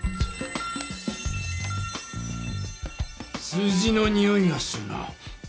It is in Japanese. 数字のにおいがするな。